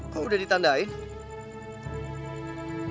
kok udah ditandain